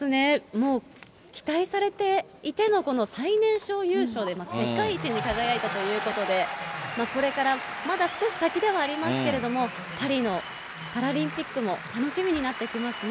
もう期待されていてのこの最年少優勝で、世界一に輝いたということで、これから、まだ少し先ではありますけれども、パリのパラリンピックも楽しみになってきますね。